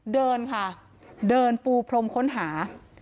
เดินค่ะเดินปูพรมค้นหา